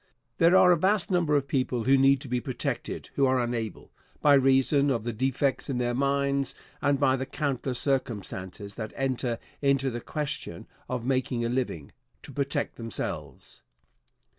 There are a vast number of people who need to be protected who are unable, by reason of the defects in their minds and by the countless circumstances that enter into the question of making a living, to protect themselves.